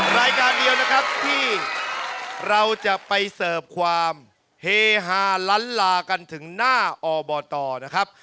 รายการเดียวนะครับที่เราจะไปเสิร์ฟความเฮฮาล้านลากันถึงหน้าอบตนะครับ